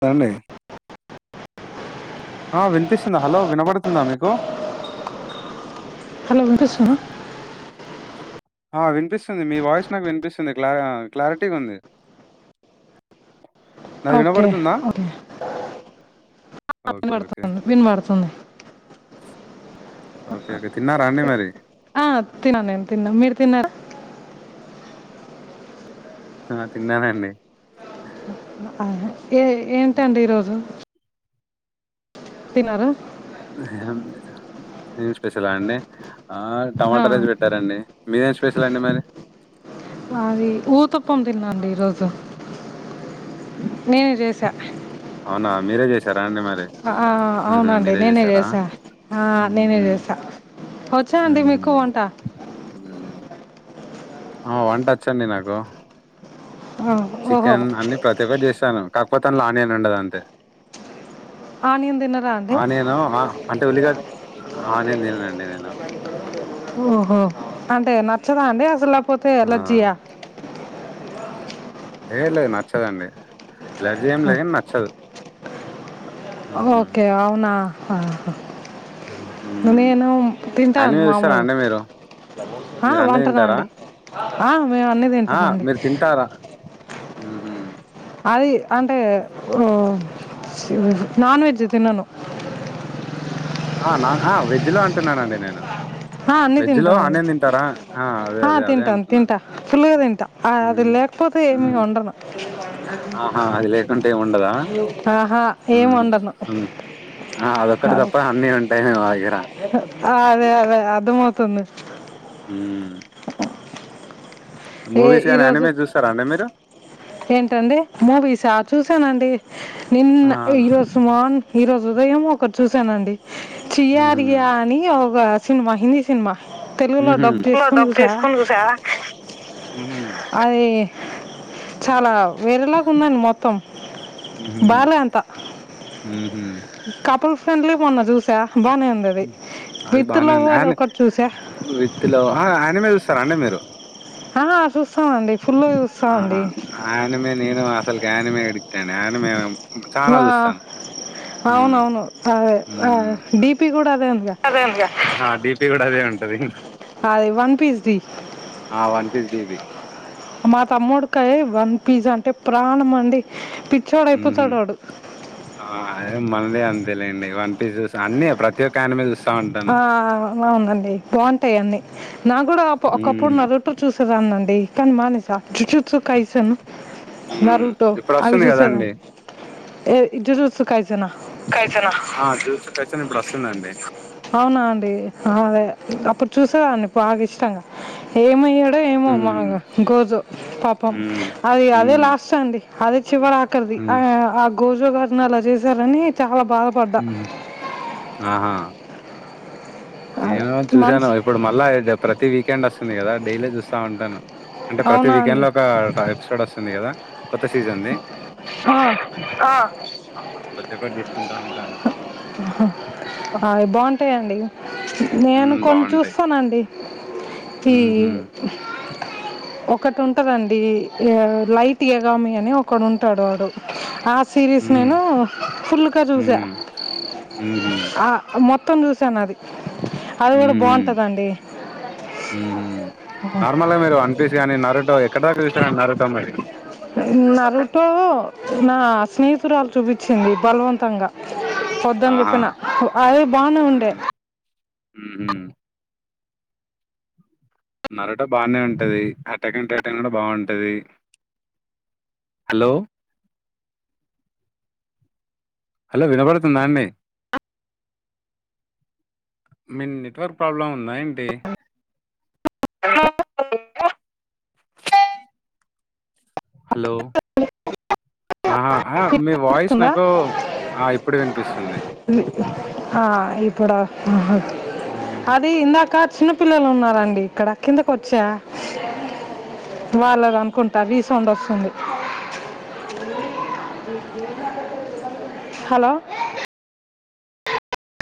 తండి ఆ విన్పిస్తుందా? హలో వినపడుతుందా మీకు. హలో వినిపిస్తుందా? ఆ వినిపిస్తుంది మీ వాయిస్ నాకు వినిపిస్తుంది క్లా క్లారిటీగుంది. ఓకే ఓకే [inaudible] ఓకే ఓకే వినపడుతుంది విన్బడుతుంది. ఓకే ఓకే తిన్నారా అండి మరి ఆ తినా నేను తిన్నా మీరు తిన్నారా? ఆ తిన్నానండి. ఆహ ఏ ఏంటండి ఈరోజు. తిన్నారా? ఏ్హంలేదా? ఏం స్పెషల్ అండి. ఆ ఆ, టమాటా రైస్ పెట్టారండి. మీదేం స్పెషల్ అండి మరి? అది ఊతప్పం నేనె జేస్ స అవునా మీరే చేసా రాండి మరి ఆ, హ్మ్హూ అవునండి మీరే నేనే చేసారా? చేసా ఆ, నేనే హ్మూ చేసా వచ్చా అండి మీకు హ్మ్ వంట హ్మ్ ఆ వంటొచ్చండి నాకు. ఆ, ఓహో చికెన్ అన్ని ప్రతి ఒక్కటి చేశాను కాకపోతే అందులో ఆనియన్ ఉండదుఅంతే ఆనియన్ తినరా అండి ఆ నేను ఆ అంటే ఉల్లిగ ఓహో అంటే పచ్చగా అండి అసలు ఒకే ఆ అలెర్జీయ ఏ లేదు నచ్చదండి ఎలర్జీ ఏమి లేదు గాని నచ్చదు మ్మ్ ఓకే అవునా ఆహా మ్మ్ నేను అన్ని తింటాను చూస్తారా మామూలు అండి మీరు ఆ మీరు అన్ని వంటనా తింటారా అండి ఆ మేము అన్నీ తింటామండి ఉహూ అది అంటే నాన్ వెజ్ తినను ఆ నా వెజ్ లో అంటున్నానండి నేను ఆ, అన్నీ వెజ్ లో తింటానండి ఆనియన్తింటారా అదే అదే అదే అంటున్నా ఫుల్ గా తింటా ఆ, అది ఉమ్ లేకపోతే ఏమీ ఉమ్ వండను ఆహా అది లేకుంటే ఏ వండదా ఆహా ఏం ఉమ్ వండను ఉమ్ అదొక్కటి తప్ప అన్ని ఉంటాయి మా దగ్గర హ [unintelligible] అదే అదే అర్థమవుతుంది ఉమ్ ఏ ఈరోజు అనిమేస్ చూస్తారా అండి మీరు ఏంటండి మూవీసా చూసానండి నిన్న ఈరోజు ఆ మార్న్ ఈరోజు హృదయం ఒకటి చూశానండి ఉహు చియారియా అని వుగా సినిమా హందీ సినిమా తెలుగులో ఉహూ డబ్ తెలుగు లో చేసుకుని డబ్ చూసా చేసుకుని చూసా ఉ అది చాలా వేరేలాగా ఉన్నాను మొత్తం ఉహు బాలే అంత ఉహు కపుల్ [unintelligible] చూసా బాగానే ఉంది అది అది విత్ బానే ఉంది లవర్ ఆన ఒకటి చూసా విత్తిలో ఆయన మీ చూస్తారా అండి మీరు హా ఆహా ఆనిమే నేను అసలుకి ఆనిమే ఇ త నను మేం వా ఉమ్ అవునవును అదే డిపి కూడా అదే ఉందిగా అదే ఉందిగా. ఆ డీపి కూడా అదే ఉంది. అదేమైంద్ ఆదే వన్ పీస్ దీ. ఆ వన్ పీస్ డిపి మా తముడ్కయి వన్ పిజ్జా అంటే ప్రాణం అండి. పిచ్చోడు హుహ్ అయిపోతాడు వాడు అదే మనదే అంతె లెండి ఇ బిజినెస్ అన్ని ప్రతి ఒక్క దాని మీద బి ఆ అలా ఉందండి. బ్రాండ్ ఉంటయి అన్ని. నాకు కూడా ప ఒకప్పుడు ఉమ్ నరుటో చూసే దాన్నండి. కాని మానేసా చూ చూస్ కైసను ఉమ్ నారూటో ఇప్పుడు అవి వస్తుంది కదండి చూసేదాన్ని. ఏది ఇటురుసు కై ఆచూస్ కైసనా ఇప్పుడు వస్తుందండి. అవునా అండి హ అదే అప్పుడు చూసాదాన్ని బాగా ఇష్టంగా ఏమయ్యా డోఏమో హ్మ్. మాకు గోజో పాపం హ్మ్. అది అదే హ్మ్. లాస్ట్ అండి. అది చివరాకరిది హ్మ్. ఆ గోజో గా ని అలా చేశారని చాలా బాధపడ్డా హుహ్ ఆహా అదే నేను చూసాను మనసు ఇప్పుడు మళ్ళా ఎంట ప్రతి వీకెండ్ వస్తూ ంది కదా డైలీ చూస్తా ఉంటాను. అంటే ప్రతి అవునా వీకెండ్ అండి లో ఒక ఎపిసోడ్ వస్తుంది కదా కొత్త సీజన్ది, ఆ, ప్రతి ఒకటి చూసుకుంటా ఉంటాను. ఆ, బాగుంటాయండి నేను హ్మ్. కొన్ని బావుంటాయి. చూస్తానండి. ఈ హుహు. ఒకటి ఉంటదండి లైట్ ఎగామి అని ఒకడు ఉంటాడు వాడు ఆ సిరీస్ హ్మ్. నేను ఫుల్గా చూసా. హుహు. హుహు. ఆ మొ త్తం చూసాను అది. అది కూడా హుహు. బావుంటదండి. సిరీస్ కానీ, నరుటో ఎక్కడ దాకా చూశారు నరుటో మరి. నరుటో నా స్నేహితురాలు చూపించింది బలవంతంగా. వద్దని ఆహా! చెప్పినా అవి బానే ఉండే. ఉహ్ నరోట బానే ఉంటది [unintelligible] కూడా బాగుంటది హలో హలో వినపడుతుందా అండి, మీ నెట్వర్క్ ప్రాబ్లం ఉందా ఏంటి హలో ఆహా మీ వాయిస్ ఉందా నాకు ఆ ఇప్పుడు వినిపిస్తుంది ఆ ఇప్పుడ అది ఇందాక చిన్న పిల్లలు ఉన్నారండీ ఇక్కడ కిందకి వచ్చా వాళ్ళ అనుకుంటార్ రీసౌండ్ వస్తుంది హలో